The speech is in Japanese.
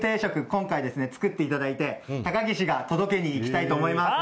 今回作っていただいて高岸が届けに行きたいと思います。